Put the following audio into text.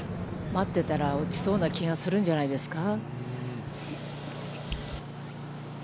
待ってたら、落ちそうな気がするんじゃないですか。